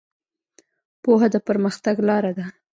پوهه د پرمختګ لاره ده.